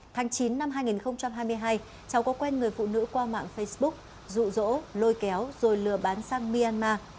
tháng chín năm hai nghìn hai mươi hai cháu có quen người phụ nữ qua mạng facebook rụ rỗ lôi kéo rồi lừa bán sang myanmar